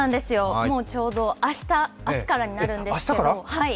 ちょうど明日からになるんですけど。